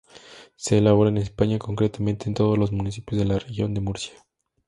Se elabora en España, concretamente en todos los municipios de la Región de Murcia.